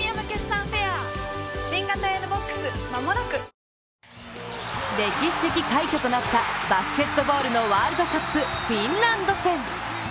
サントリー「金麦」歴史的快挙となったバスケットボールのワールドカップ、フィンランド戦。